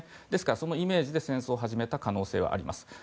ですから、そのイメージで戦争を始めた可能性はあります。